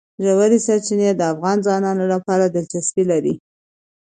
ژورې سرچینې د افغان ځوانانو لپاره دلچسپي لري.